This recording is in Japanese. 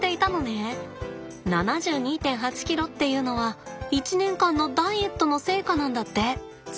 ７２．８ｋｇっていうのは１年間のダイエットの成果なんだって。